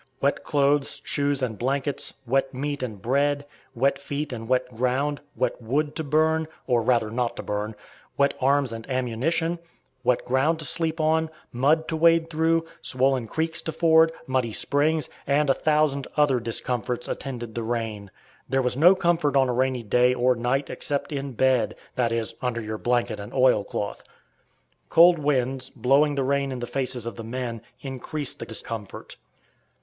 Wet clothes, shoes, and blankets; wet meat and bread; wet feet and wet ground; wet wood to burn, or rather not to burn; wet arms and ammunition; wet ground to sleep on, mud to wade through, swollen creeks to ford, muddy springs, and a thousand other discomforts attended the rain. There was no comfort on a rainy day or night except in "bed," that is, under your blanket and oil cloth. Cold winds, blowing the rain in the faces of the men, increased the discomfort.